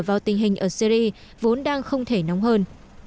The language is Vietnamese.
vào tình hình ở syri vốn đang không thể nóng hơn